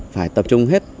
phải tập trung hết